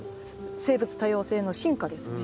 生物多様性の進化ですね。